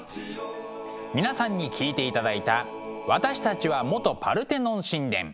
皆さんに聴いていただいた「私たちは元パルテノン神殿」。